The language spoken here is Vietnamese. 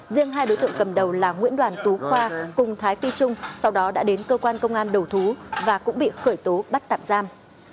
riêng hai đối tượng cầm đầu là nguyễn đoàn tú khoa cùng thái phi trung sau đó đã đến cơ quan công an đầu thú và cũng bị khởi tố bắt tạm giam